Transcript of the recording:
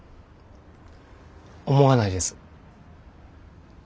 思わないです。